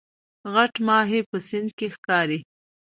غټ ماهی په سیند کې ښکاري